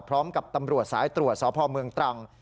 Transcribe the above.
พร้อมกับตำรวจสายตรวจสพเมืองตรัง